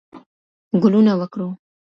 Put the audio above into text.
ګلونه وکرو.